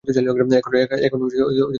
এখন কার পূজা করব?